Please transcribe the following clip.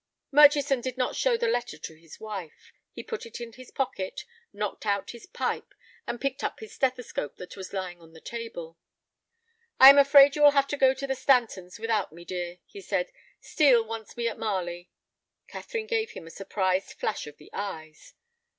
Murchison did not show the letter to his wife. He put it in his pocket, knocked out his pipe, and picked up his stethoscope that was lying on the table. "I am afraid you will have to go to the Stantons' without me, dear," he said; "Steel wants me at Marley." Catherine gave him a surprised flash of the eyes.